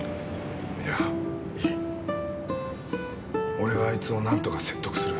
俺があいつをなんとか説得する。